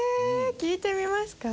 聞いてみますか？